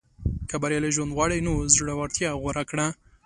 • که بریالی ژوند غواړې، نو زړورتیا غوره کړه.